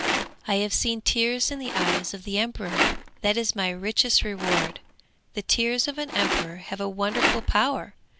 'I have seen tears in the eyes of the emperor; that is my richest reward. The tears of an emperor have a wonderful power!